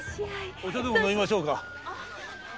お茶でも飲みましょうか。